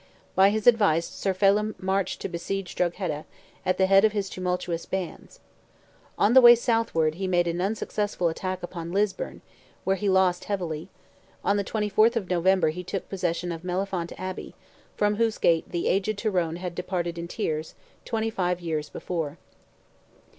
By his advice Sir Phelim marched to besiege Drogheda, at the head of his tumultuous bands. On the way southward he made an unsuccessful attack upon Lisburn, where he lost heavily; on the 24th of November he took possession of Mellifont Abbey, from whose gate the aged Tyrone had departed in tears, twenty five years before.